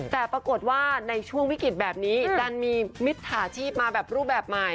แต่ปรากฏว่าในช่วงวิกฤตแบบนี้ดันมีมิจฉาชีพมาแบบรูปแบบใหม่